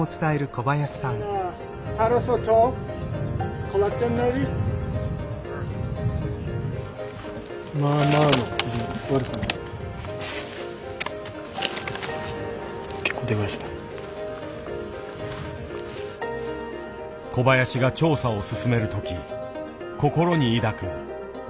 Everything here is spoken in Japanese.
小林が調査を進める時心に抱く流儀がある。